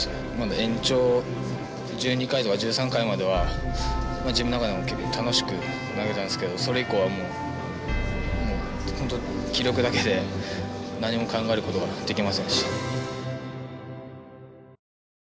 延長１２回とか１３回までは自分の中でも結構楽しく投げたんですけどそれ以降はもう本当気力だけで何も考えることができませんでした。